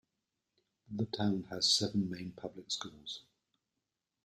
The town has seven main public schools.